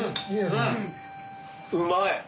うまい！